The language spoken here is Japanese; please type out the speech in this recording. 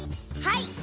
はい！